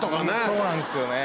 そうなんですよね。